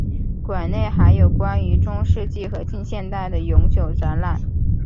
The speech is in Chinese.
馆内还有关于中世纪和近现代的永久展览。